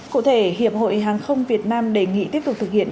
cụ thể hiệp hội hàng không việt nam đề nghị tiếp tục thực hiện